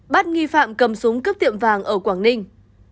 bắt nghi phạm cầm súng cướp tiệm vàng ở quảng ninh